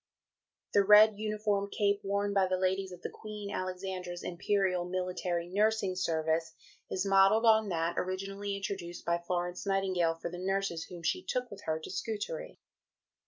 "The red uniform cape worn by the ladies of the Queen Alexandra's Imperial Military Nursing Service is modelled on that originally introduced by Florence Nightingale for the nurses whom she took with her to Scutari.